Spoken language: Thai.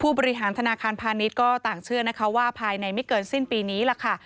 บริหารธนาคารพาณิชย์ก็ต่างเชื่อนะคะว่าภายในไม่เกินสิ้นปีนี้ล่ะค่ะ